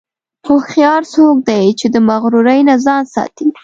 هوښیار څوک دی چې د مغرورۍ نه ځان ساتي.